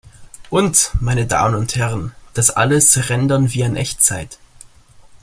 Und, meine Damen und Herren, das alles rendern wir in Echtzeit!